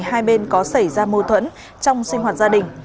hai bên có xảy ra mâu thuẫn trong sinh hoạt gia đình